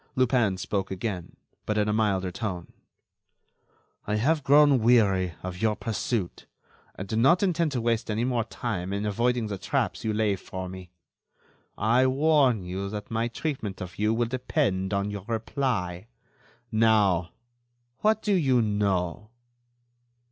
Lupin spoke again, but in a milder tone: "I have grown weary of your pursuit, and do not intend to waste any more time in avoiding the traps you lay for me. I warn you that my treatment of you will depend on your reply. Now, what do you know?"